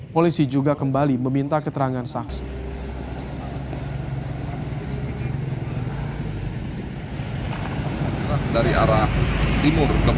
polisi juga kembali meminta keterangan saksi